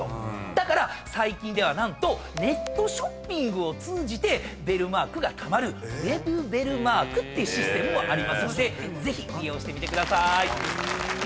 だから最近では何とネットショッピングを通じてベルマークがたまるウェブベルマークっていうシステムもありますのでぜひ利用してみてください。